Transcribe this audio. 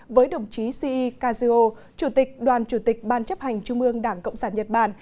với đồng chí c e casio chủ tịch đoàn chủ tịch ban chấp hành trung mương đảng cộng sản nhật bản